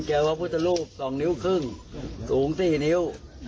เจอวะพุทธรูป๒นิ้วครึ่งสูงตี้นิ้ว